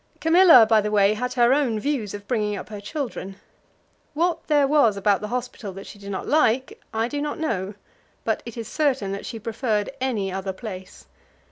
Camilla, by the way, had her own views of bringing up her children. What there was about the hospital that she did not like I do not know, but it is certain that she preferred any other place.